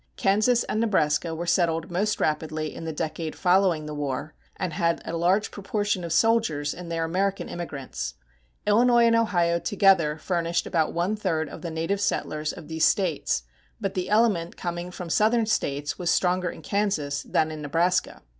Kansas and Nebraska were settled most rapidly in the decade following the war, and had a large proportion of soldiers in their American immigrants. Illinois and Ohio together furnished about one third of the native settlers of these States, but the element coming from Southern States was stronger in Kansas than in Nebraska.